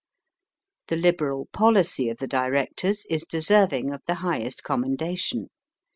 The liberal policy of the directors is deserving of the highest commendation.